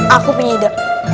aku punya ide